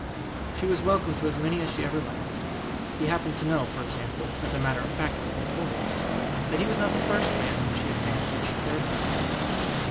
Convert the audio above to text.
She was welcome to as many as ever she liked. He happened to know, for example (as a matter of fact, it was notorious), that he was not the first man whom she had fancied she cared about.